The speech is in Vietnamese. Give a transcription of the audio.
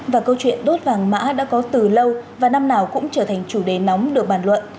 và câu chuyện đốt vàng mã đã có từ lâu và năm nào cũng trở thành chủ đề nóng được bàn luận